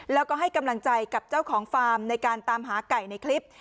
แล้วก็ให้กำลังใจกับเจ้าของฟาร์มในการตามหาไก่ในคลิป